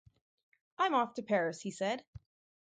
I'm off to Paris', he said.